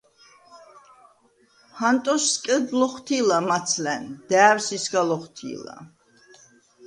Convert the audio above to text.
ჰანტოს სკელდ ლოხვთი̄ლა მაცლა̈ნ. და̄̈ვსი̄ სგა ლოხვთი̄ლა.